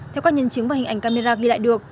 theo các nhân chứng và hình ảnh camera ghi lại được